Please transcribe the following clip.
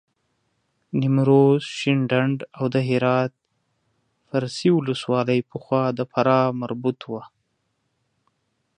نیمروز، شینډنداو د هرات فرسي ولسوالۍ پخوا د فراه مربوط وه.